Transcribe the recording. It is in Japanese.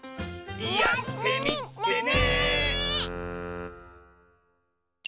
やってみてね！